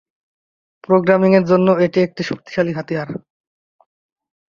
Programming এর জন্য এটি একটি শক্তিশালী হাতিয়ার।